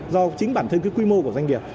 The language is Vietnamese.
do chính bản thân quy mô của doanh nghiệp